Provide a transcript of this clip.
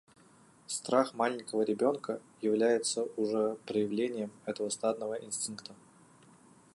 Страх маленького ребенка является уже проявлением этого стадного инстинкта.